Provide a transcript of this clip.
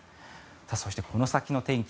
そして、この先の天気